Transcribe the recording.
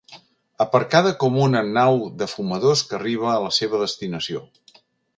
Aparcada com una nau de fumadors que arriba a la seva destinació.